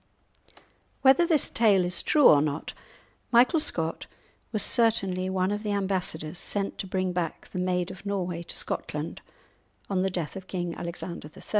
Whether this tale is true or not, Michael Scott was certainly one of the ambassadors sent to bring back the Maid of Norway to Scotland on the death of King Alexander III.